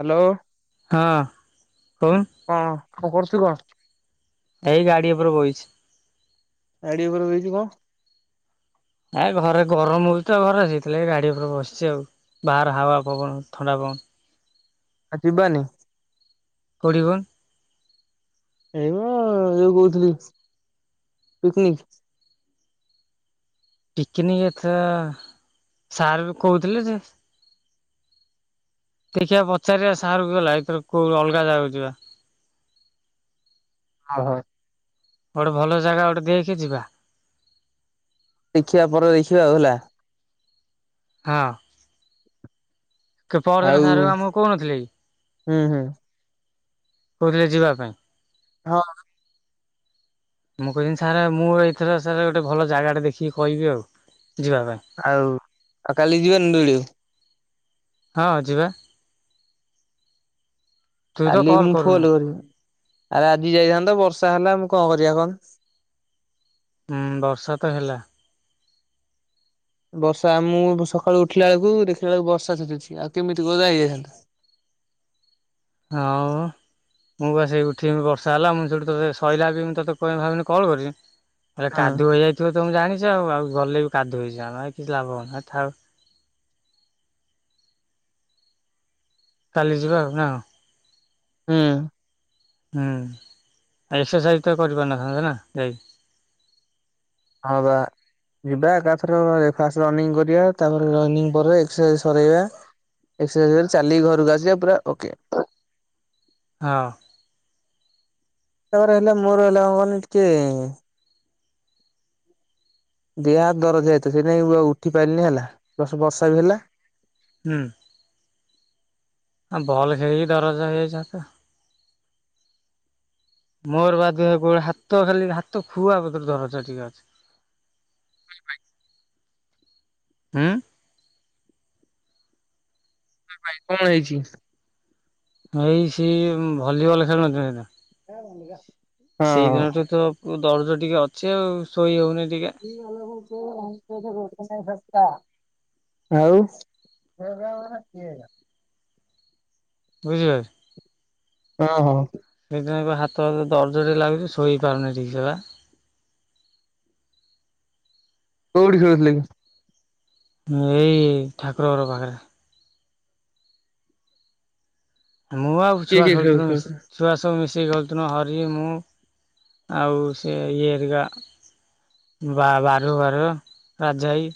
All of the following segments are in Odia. ହ୍ୟାଲୋ ହଁ କହୁନୁ କଣ କ କରୁଚୁ କଣ? ଏଇ ଗାଡ଼ି ଉପରେ ବଇଚି। ଗାଡ଼ି ଉପରେ ବହିଚୁ କ? ଆଏଁ ଘରେ ଗରମ ହଉଛି ତ ଘରେ ସେଇଥିଲାଗି ଗାଡ଼ି ଉପରେ ବସଛି ଆଉ। ବାହାର ହାବା ପବନ ଥଣ୍ଡା ବ ଆ ଯିବାନି? କୋଉଠି କଉନୁ? ଏଇ ମ ଯୋଉ କହୁଥିଲି ପିକ୍ ନିକ୍। ପିକ୍ ନିକ୍ ଏଥର ସାର୍ ବି କହୁଥିଲେ ଯେ ଦେଖିବା ପଚାରିବା ସାର୍ କୁ ହେଲା ଏଥର କୋଉ ଅଲଗା ଜାଗାକୁ ଯିବା। ହୋଊ ଭାଇ। ଗୋଟେ ଭଲ ଜାଗା ଗୋଟେ ଦେଖେ ଯିବା। ଦେଖିବା ପରେ ଦେଖିବା ଆଉ ହେଲା। ହଁ। କି ଆଉ ପହରଦିନ ସାର୍ ଆମକୁ କହୁନଥିଲେ କି ହୁଁ ହୁଁ। କୋଉଥିରେ ଯିବା ପାଇଁ? ହଁ। ମୁଁ କହିଥିଲି ସାର୍ ଆଉ ମୁଁ ଏକେଲା ସାର୍ ଗୋଟେ ଭଲ ଜାଗାଟା ଦେଖିକି କହିବି ଆଉ ଯିବା ପାଇଁ। ଆଉ ଆଉ କାଲି ଯିବାନି ଦୁଳିଓ। ହଁ ଯିବା। ତୁ ତ କାଲି କଲ୍ ମୁଁ କରୁନୁ ଫୋଲ କରିବି ଆରେ ଆଜି ଯାଇଥାନ୍ତା ବର୍ଷା ହେଲା ମୁଁ କଣ କରିଆ କହୁନୁ। ହୁଁ ବର୍ଷା ତ ହେଲା। ବର୍ଷା ଆ ମୁଁ ସକାଳୁ ଉଠିଲା ଆଳକୁ ଦେଖିଲା ବେଳକୁ ବର୍ଷା ଛେଚୁଚି ଆଉ କେମିତି କଁ ଯାଇ ହେଥାନ୍ତା। ହଁ ବା। ମୁଁ ବା ସେଇ ଉଠିବି ବର୍ଷା ହେଲା ମୁଁ ସେଇଠି ତତେ ସରିଲା ବି ମୁଁ ତତେ କହେ ଭାବିନି କଲ୍ କରିବି ହେଲେ ହଁ କାଦୁଅ ହେଇଆଥିବ ତମେ ଜାଣିଛ ଆଉ ଆଉ ଗଲେ ବି କାଦୁଅ ହେଇଜିଆ ଆମେ କିଛି ଲାଭ ହଉନି ଆଉ ଥାଉ। କାଲି ଯିବା ଆଉ ନାଉଁ। ହୁଁ। ହୁଁ ଏକ୍ସରସାଇଜ୍ ତ କରିପାରିନଥାନ୍ତେ ନା ଯାଇ ହବା। ଯିବା ଏକା ଥରେ ଫାଷ୍ଟ ରନିଙ୍ଗ କରିବା ତାପରେ ରନିଙ୍ଗ ପରେ ଏକ୍ସରସାଇଜ୍ ସରେଇବା ଏକ୍ସରସାଇଜ୍ ଓରେ ଚାଲିକି ଘରକୁ ଆସିବା ପୁରା ଓକେ। ହଁ। ତାପରେ ହେଲା ମୋର ହେଲା ହବନି ଟିକେ ଦେହ ହାତ ଦରଜ ହେଇଆଥିବ ସେଥିପାଇଁ ଉଠି ପାରିନି ହେଲା ପ୍ଲସ ବର୍ଷା ବି ହେଲା। ହୁଁ। ଆ ବଲ୍ ଖେଳିକି ଦରଜ ହେଇ ଯାଇଛି ହାତ। ମୋର ବା ଦେହ କୁହ ହାତ ଖାଲି ହାତ ଖୁଆ ବର ଦରଜ ଟିକେ ଅଛି। ହୁଁ। [unintelligible] ପଳେଇଛି। ଏଇ ସେଇ ଭଲିବଲ ଖେଳୁ ନଥିଲେ ନା ହଁ। ସେଇ ଆଉ ଦିନଠୁ ତ ଓ ଦରଜ ଟିକେ ଅଛି ଆଉ ଶୋଇ ହେଉନି ଟିକେ। [unintelligible] ଆଉ ବୁଝି [unintelligible] ଓହ! ସେଇଥି ପାଇଁ ବା ହାତ ଦରଜରେ ଲାଗୁଛି ଶୋଇପାରୁନି ଠିକ୍ ସେ ବା। କୋଉଠି ଖେଳୁଥିଲେ କି? ଏଇ ଠାକୁର ଘର ପାଖରେ। ମୁଁ ଆଉ କି ଛୁଆ କିଏ କିଏ ଖେଳୁ ଖେଳୁଥିଲି ଖେଳୁଥିଲେ? ମିଶି ଛୁଆ ସବୁ ମିଶିକି ଖେଳୁଥିଲୁ ହରି ମୁଁ ଆଉ ସେ ଇଏ ହେରିକା ବା ବାରୁ ବାରୁ ରାଜା ହାଇ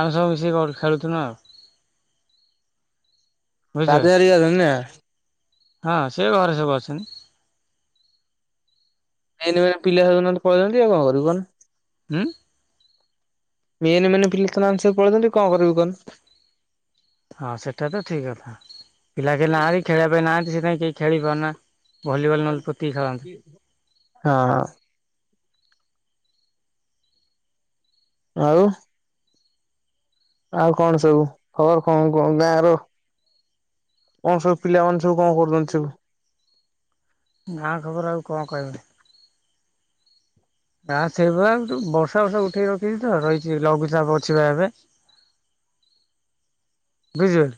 ଆମେ ସବୁ ମିଶିକି ଖେଳୁଥିଲୁ ଆଉ। ବୁଝିଲ ରାଜା ହେରିକା ଅଛନ୍ତି ନା କି ହଁ ସେ ଘରେ ସବୁ ଅଛନ୍ତି। ଏଇନି ପିଲା ହଉ ନାହାନ୍ତି ପଳେଇଚନ୍ତି ଆଉ କଣ କରିବୁ କହୁନ। ହୁଁ? ମେନେ ମେନେ ପିଲା ତ ନାହାଁନ୍ତି ସବୁ ପଳଉଛନ୍ତି କଣ କରିବି କହୁନୁ? ହଁ ସେଟା ତ ଠିକ୍ କଥା ପିଲା କେ ନାହାନ୍ତି ଖେଳିବା ପାଇଁ ନାହାନ୍ତି ସେଥିପାଇଁ କେହି ଖେଳି ପାରୁନାହାନ୍ତି। ହଁ। ଆଉ ଆଉ କଣ ସବୁ ଖବର କଣ କଣ ଗାଁ ର? କଣ ସବୁ ପିଲାମାନେ ସବୁ କଣ କରୁଛନ୍ତି ସବୁ? ଗାଁ ଖବର ଆଉ କଣ କହିମି? ନା [unintelligible] ବର୍ଷା ଫର୍ଷା ଉଠେଇ ରଖିଛି ତ ରହିଛି ଲଘୁଚାପ ଅଛିିବା ଏବେ। ବୁଝି ପାଇଲୁ?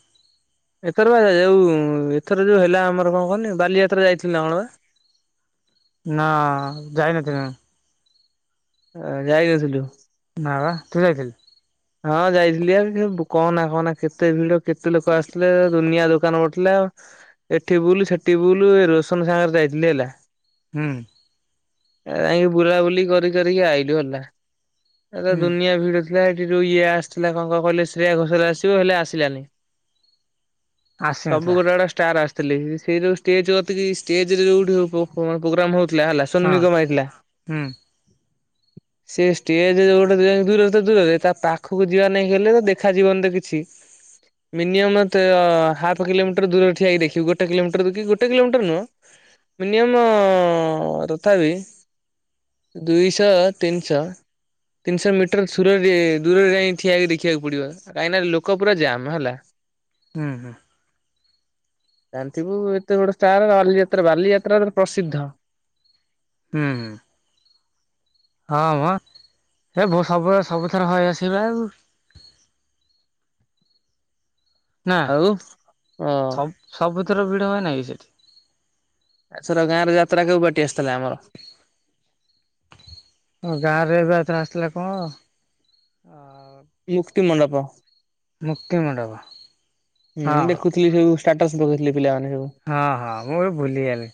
ଏଥର ବା ଯୋଉ ଏଥର ଯୋଉ ହେଲା ଆମର କଣ କହନି ବାଲିଯାତ୍ରା ଯାଇଥିଲୁ ନା କଣ ବା? ନା ଯାଇନଥିଲି। ଅ ଯାଇନଥିଲୁ? ନା ବା ତୁ ଯାଇଥିଲୁ? ହଁ ଯାଇଥିଲି ଆ କହନା କହନା କେତେ ଭିଡ କେତେ ଲୋକ ଆସିଥିଲେ ଦୁନିଆ ଦୋକାନ ପଡିଥିଲା ଏଠି ବୁଲୁ ସେଠି ବୁଲୁ ଏ ରୋସନ ସାଙ୍ଗରେ ଯାଇଥିଲି ହେଲା। ହୁଁ। ଯାଇକି ବୁଲାବୁଲି କରି କରିକି ଆଇଲୁ ହେଲା ଏ ହୁଁ ଦୁନିଆ ଭିଡ଼ [unintelligible] ଏଠି ଯୋଉ ଇଏ ଆସିଥିଲା କଣ କ କିଲେ ଶ୍ରୀଆ ଘୋଷାଲ ଆସିବ ହେଲେ ଆସିଲାନି। ଆସିନଥିଲା ସବୁ ଗୋଟେ ଗୋଟା ଷ୍ଟାର ଆସ ସେଇ ଯୋଉ ଷ୍ଟେଜ କତିକି ଷ୍ଟେଜ ରେ ଯୋଉଠି ପୋ ପ୍ରୋଗ୍ରାମ ହଉଥିଲା ହେଲା ସୋନୁ ହଁ ନିଗମ ଆଇଥିଲା। ହୁଁ ସେ ଷ୍ଟେଜ ଯୋଉ ଗୋଟେ ଦୂର ତ ଦୂରରେ ତା ପାଖକୁ ଯିବା ନେଇକା କହିଲେ ତ ଦେଖାଯିବନି ତ କିଛି ମିନିଅମ ତ ହାପ୍ କିଲୋମିଟର ଦୂରରେ ଠିଆ ହେଇକି ଦେଖିବୁ ଗୋଟେ କିଲୋମିଟର କି ଗୋଟେ କିଲୋମିଟର ନୁହଁ। ମିନିୟମ ତଥା ବିି। ଦୁଇଶହ ତିନିଶହ ତିନିଶହ ମିଟର ସୁରରେ। ଦୂରରେ କାହିଁ ଠିଆହେଇକି ଦେଖିବାକୁ ପଡିବ କାହିଁକି ନା ଲୋକ ପୁରା ଜାାମ ହେଲା। ହୁଁ ହୁଁ। ଜାଣିଥିବୁ ଏତେ ବୋଡ ଷ୍ଟାର ବାଲିଯାତ୍ରା ବାଲିଯାତ୍ରା ତ ପ୍ରସିଦ୍ଧ। ହୁଁ ହୁଁ। ହଁ ମୋ ଏ ବୋ ସବୁବେ ସବୁଥର ହୋଇ ଆସିବା ଆଉ। ନା ଆଉ ଅ ସବ ସବୁ ଭିଡ ହୁଏ ନାହିଁ ସେଠି। ଏଥର ଗାଁ ରେ ଯାତ୍ରା କେଉ ପାର୍ଟି ଆସିଥିଲା ଆମର? ଆଉ ଗାଁ ରେ ଏବେ ଏଥର ଆସିଥିଲା କଣ। ମୁକ୍ତି ମଣ୍ଡପ। ମୁକ୍ତିମଣ୍ଡପ ହୁଁ ହଁ। ଦେଖୁଥିଲି ସବୁ ଷ୍ଟାଟସ ପଖେଇଥିଲେ ପିଲାମାନେ ସବୁ। ହଁ ହଁ ମୁଁ ବି ଭୁଲିଗଲି।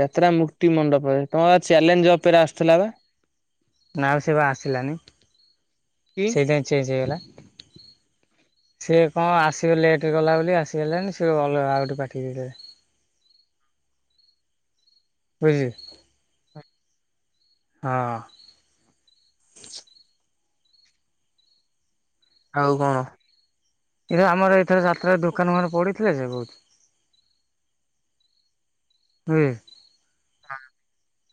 ଯାତ୍ରା ମୁକ୍ତି ମଣ୍ଡପରେ ତମର ଚ୍ୟାଲେଞ୍ଜ ଅପେରା ଆସୁଥିଲା ବା। ନା ଆଉ ସେ ବା ଆସିଲାନି କି? ସେଇଥିାଇଁ ଚେଞ୍ଜ ହେଇଗଲା। ସେ କଣ ଆସିବା ଲେଟ କଲା ବୋଲି ଆସିହେଲାନି ସେ ଅଲଗା ଆଉ ଗୋଟେ ପାର୍ଟି ଦେଇଦେଲେ। ବୁଝିଲେ? ହଁ। [inaudible] ଆଉ କଣ? ଏ ଆମର ଏଥର ଯାତ୍ରରେ ଦୋକାନ ଫୋକାନ ପଡିଥିଲେ ଯେ ବହୁତ। ହୁଁ। ହଁ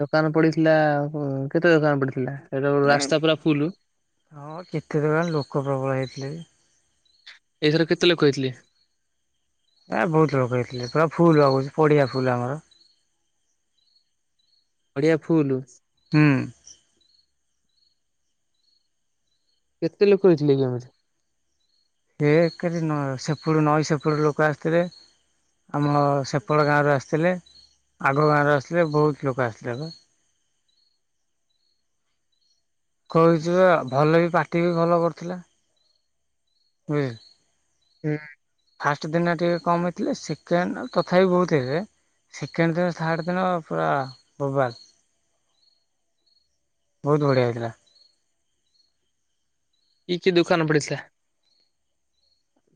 ଦୋକାନ ପଡିଥିଲା କେତେ ଦୋକାନ ପଡିଥିଲା ସେଟା ଏ ରାସ୍ତା ପୁରା ଫୁଲ। ହଁ କେତେ ଦୋକନ ଲୋକ ପ୍ରବଳ ହେଇଥିଲେ। ଏଇଥର କେତେ ଲୋକ ହେଇଥିଲେ? ଏ ବହୁତ ଲୋକ ହେଇଥିଲେ ପୁରା ଫୁଲ ବା କହୁଛି ପଡିଆ ଫୁଲ ଆମର। ବଢିଆ ଫୁଲ। ହୁଁ। କେତେ ଲୋକ ହେଇଥିଲେକି ଏମିତି? [inaudible] ସେପୁଟ ନଈ ସେପଟ ଲୋକ ଆସିଥିଲେ। ଆମ ସେପଟ ଗାଁରୁ ଆସିଥିଲେ ଆଗ ଗାଁରୁ ଆସିଥିଲେ ବହୁତ ଲୋକ ଆସିଥିଲେ ବା। କହୁଛି ବା ଭଲ ବି ପାଟି ବି ଭଲ କରୁଥିଲେ। ହୁଁଏ। ହୁଁ। ଫାଷ୍ଟ ଦିନ ଟିକେ କମ୍ ହେଇଥିଲେ ସେକେଣ୍ଡ ତଥାପି ବହୁତ ହେଇଥିଲେ। ସେକେଣ୍ଡ ଦିନ ଥାର୍ଡ଼ ଦିନ ପୁରା ବୋବାଲ। ବହୁତ ବଢିଆ ହେଇଥିଲା। କି କି ଦୋକାନ ପଡ଼ିଥିଲା?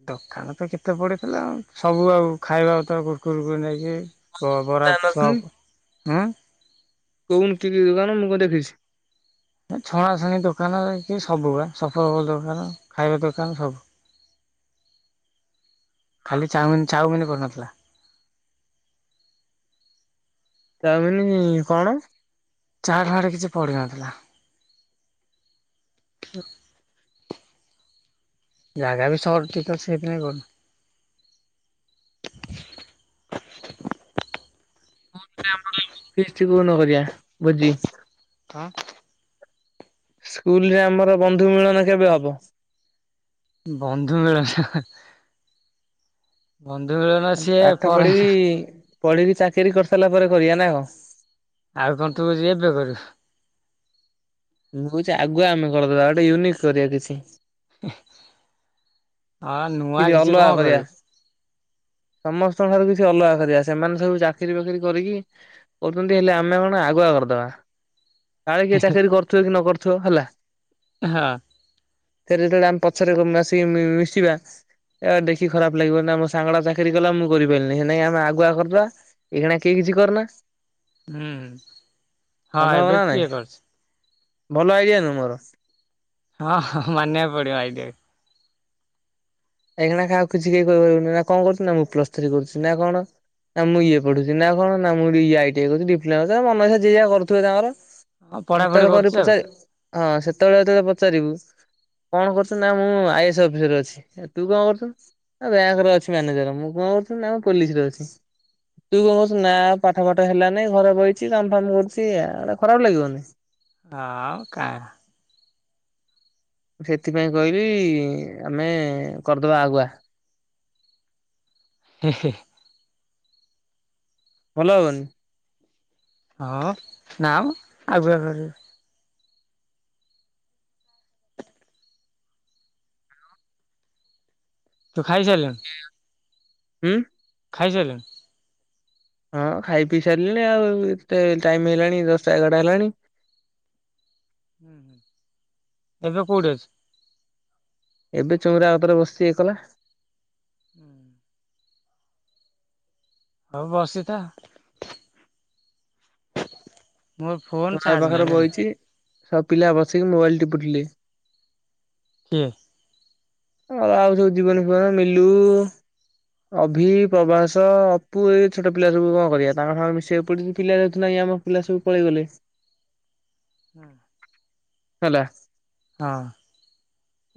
ଦୋକାନ ତ କେତେ ପଡିଥିଲା ସବୁ ଆଉ ଖାଇବା ତ କୁର୍କୁରି ପୂର୍କୁରୀ ନେଇକି। ଓ ବରା ଜାଣିନଥିଲି ଚପ। କୋଉନୁ କି କି ଦୋକାନ ମୁଁ କଣ ଦେଖିଛି। ଛଣାଛୁଣି ଦୋକାନ କି ସବୁ ବା ସଫଳ ସଫଲ ଦୋକାନ ଖାଇବା ଦୋକାନ ସବୁ। ଖାଲି ଚାଉମ ଚାଉମିନ କରିନଥିଲା। ଚାଉମିନି କଣ? ଚାହାରେ କିଛି ପଡ଼ିନଥିଲା। [unintelligible] ଜାଗା ବି ସର୍ଚ୍ଚ ହେଇଥିବ ସେଇଥିପାଇଁ [unintelligible] ପୁଣି ତ ଆମର ଫିଷ୍ଟ କୋଉନ କରିଆ ଭୋଜି? ହଁ। ସ୍କୁଲ୍ ରେ ଆମର ବନ୍ଧୁ ମିଳନ କେବେ ହବ? ବନ୍ଧୁ ମିଳନ ବନ୍ଧୁ ମିଳନ ସିଏ ପାଠ ପରେ। ପଢିକି ପଢିକି ଚାକିରି କରିସାରିଲା ପରେ କରିଆ ନା କଁ? ଆଉ କଁ ତୁ ଯେ ଏବେ କରିବୁ? ମୁଁ କହୁଚି ଆଗୁଆ ଆମେ କରିଦବା ଗୋଟେ ୟୁନିକ୍ କରିଆ କିଛି। ହଁ ନୂଆଁ କିଛି କଁ କରିବୁ? ସମସ୍ତଙ୍କର କିଛି ଅଲଗା କରିଆ ସେମାନେ ସବୁ ଚାକିରି ବାକିରି କରିକି କରୁଚନ୍ତି ହେଲେ ଆମେ କଣ ଆଗୁଆ କରଦବା। କାଳେ କିଏ ଚାକିରି କରୁଥିବ କି ନ କରୁଥିବ ହେଲା। ହଁ। ଫେରେ ଯେତେବେଳେ ଆମେ ପଛରେ ମା ଆସିକି ମିଶିବା ଏଆ ଦେଖିକି ଖରାପ ଲାଗିବ ନା ମୋ ସାଙ୍ଗାଟା ଚାକିରି କଲା ମୁଁ କରି ପାରିଲିନି ସେଇ ଲାଗି ଆମେ ଆଗୁଆ କରଦବା। ଏଇଖଣା କେଇ କିଛି କରନା। ହୁଁ ହଁ ଭଲ ହବ ଏବେ ନା ନାଇଁ କିଏ କରଛି? ଭଲ ଆଇଡିଆ ନୁଏ ମୋର। ହଁ-ହଁ ମାନିଆକୁ ପଡିଅ ଆଇଡ଼ିଆ [unintelligible] ଏଇଖିଣା କାହାକୁ କିଛି କେହି କହି ପାରିବୁନି ନା କଣ କରୁଚୁ ନା ମୁଁ ପ୍ଲସ୍ ଥ୍ରୀ କରୁଚି ନା କଣ। ନା ମୁଁ ଇଏ ପଢୁଛି ନା କଣ ନା ମୁଁ [unintelligible] ଆଇଟିଆଇ ଡିପ୍ଲୋମା ମନଇଚ୍ଛା ଯିଏ ଯା କରୁଥିବେ ତାଙ୍କର। ହଁ ପଢାପଢି ହେତେଅଳୁ କରୁ କରୁଛି [unintelligible] ଆଉ ହଁ ସେତେବେଳେ ଯେତେବେଳେ ପଚାରିବୁ କଣ କରୁଚ ନା ମୁଁ ଆଇଏସ୍ ଅଫିସର୍ ଅଛି। ତୁ କଣ କରୁଚୁ ବ୍ୟାଙ୍କ୍ ରେ ଅଛି ମ୍ୟାନେଜର ମୁଁ କଣ କରୁଚୁ ନା ମୁଁ ପୋଲିସ୍ ରେ ଅଛି। ତୁ କଣ କରୁଛୁ ନା ପାଠ ପାଠ ହେଲାନି ଘରେ ବଇଚି କାମ ଫାମ କରୁଚି ଏୟା ଗୋଟେ ଖରାପ ଲାଗିବନି? ଅ କା ସେଥିପାଇଁ କଇଲି ଆମେ କରଦବା ଆଗୁଆ। ହେଁ ହେ। ଭଲ ହବନି। ହଁ ନା ମ ଆଗୁଆ କରି ତୁ ଖାଇ ସାଇଲୁ? [unintelligible] ହୁଁ। ଖାଇ ସାଇଲୁ [unintelligible] ହଁ ଖାଇପିଇ ସାରିଲିଣି ଆଉ ଏତେ ଟାଇମି ହେଲାଣି ଦଶଟା ଏଗାରଟା ହେଲାଣି। ହୁଁ-ହୁଁ ଏବେ କୋଉଠି ଅ [unintelligible] ଏବେ ଚଉଁରା ଉପରେ ବସିଚି ଏକଲା। ଉଁ ହୁଁ। ହଉ ବସିତା। ମୋର ଫୋନ ଟୁ [unintelligible] ଚାର୍ଜ ପାଖରେ ନାହିଁ ଜାଣିଲୁ ବଇଚି ସବୁ ପିଲା ବସିକି ମୋବାଇଲ୍ ଟିପୁ ଠିଲେ। କିଏ? ହଁ ଆଉ ଯୋଉ ଜୀବନ ଫିବନ ମିଲୁ। ଅଭି ପ୍ରଭାସ ଅପୁ ଏଇ ଛୋଟ ପିଲା ସବୁ କଁ କରିବା ତାଙ୍କ ସାଙ୍ଗରେ ମିଶିଆକୁ ପଡୁଚି ପିଲା ଯେହେତୁ ନାଇଁ ଆମ ପିଲା ସବୁ ପଳେଇଗଲେ। [inaudible] ହେଲା। ହଁ।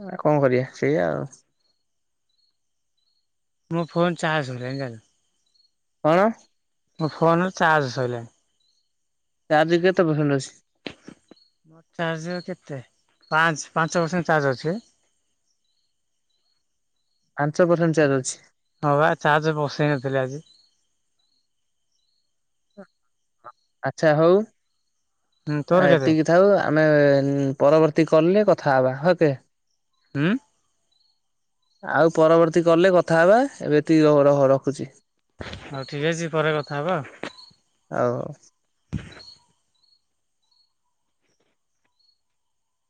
ଆ, କଣ କରିବା, ସେଇଆ ଆଉ। ମୋ ଫୋନ୍‌ ଚାର୍ଜ [unintelligible] ଜାଣିଲୁ। କଣ? ମୋ ଫୋନ୍‌ ଚାର୍ଜ ସଇଲାଣି। ଚାର୍ଜ କେତେ ପରସେଣ୍ଟ ଅଛି? ଚାର୍ଜ କେତେ? ପାଞ୍ଚ, ପାଞ୍ଚ ପସେଣ୍ଟ ଚାର୍ଜ ଅଛି। ପାଞ୍ଚ ପସେଣ୍ଟ ଚାର୍ଜ ଅଛି। ହଁ, ବା, ଚାର୍ଜ ବସେଇ ନଥିଲି ଆଜି। ଆଚ୍ଛା, ହଉ। ହୁଁ ତୋର କେତେ ଏତିକି ଥାଉ, ଆମେ ପରବର୍ତ୍ତୀ କଲ୍ ରେ କଥା ହବା, ଓକେ। ହୁଁ। ଆଉ ପରବର୍ତ୍ତୀ କଲ୍ ରେ କଥା ହବା, ଏବେ ଏତିକି ର- ରହ- ରଖୁଛି। ହଉ, ଠିକ୍ ଅଛି, ପରେ କଥା ହବା। ହଉ।